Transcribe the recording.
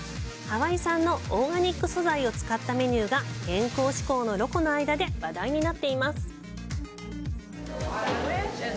ハワイ産のオーガニック素材を使ったメニューが健康志向のロコの間で話題になっています。